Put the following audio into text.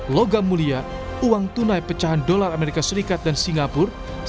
logam mulia uang tunai pecahan dolar amerika serikat dan singapura